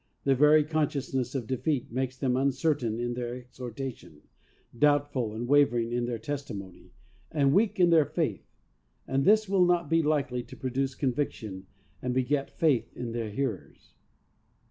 The very consciousness of defeat makes them uncertain in their exhortation, doubtful and wavering in their testimony and weak in their faith, and this will not be likely to produce conviction and beget faith in their hearers.